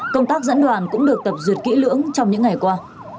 công tác dẫn đoàn cũng được tập duyệt kỹ lưỡng trong những ngày qua